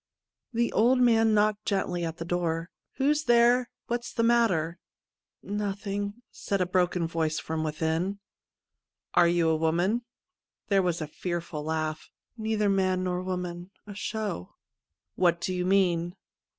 The old man knocked gently at the door. ' Who's there ? What's the matter ?'' Nothing/ said a broken voice from within. ' Are you a woman ?' There was a fearful laugh. ' Neither man nor woman — a show.' 105 THE END OF A SHOW ' What do you mean